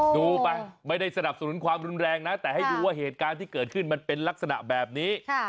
ดูไปไม่ได้สนับสนุนความรุนแรงนะแต่ให้ดูว่าเหตุการณ์ที่เกิดขึ้นมันเป็นลักษณะแบบนี้